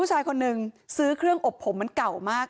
ผู้ชายคนนึงซื้อเครื่องอบผมมันเก่ามาก